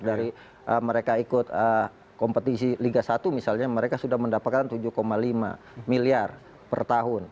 dari mereka ikut kompetisi liga satu misalnya mereka sudah mendapatkan tujuh lima miliar per tahun